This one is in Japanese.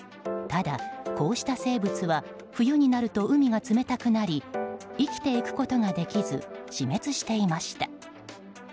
ただ、こうした生物は冬になると海が冷たくなり生きていくことができず死滅していました。